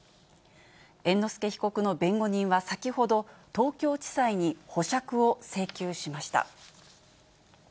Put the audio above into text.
猿之助被告の弁護人は先ほど、東京地裁に保釈を請求しました。